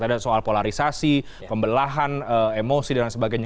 ada soal polarisasi pembelahan emosi dan sebagainya